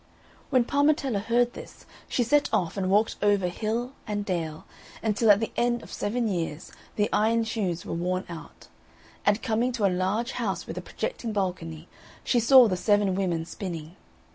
When Parmetella heard this, she set off and walked over hill and dale, until at the end of seven years the iron shoes were worn out; and coming to a large house, with a projecting balcony, she saw the seven women spinning.